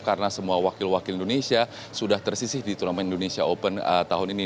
karena semua wakil wakil indonesia sudah tersisih di turnamen indonesia open tahun ini